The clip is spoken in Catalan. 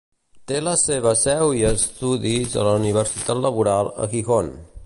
Té la seva seu i estudis a la Universitat Laboral, a Gijón.